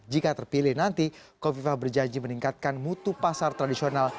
jika terpilih nanti kofifa berjanji meningkatkan mutu pasar tradisional